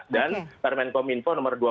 dan permen komunikasi nomor dua puluh